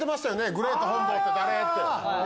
グレート本坊って誰⁉って。